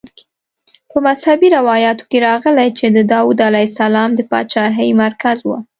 په مذهبي روایاتو کې راغلي چې د داود علیه السلام د پاچاهۍ مرکز وه.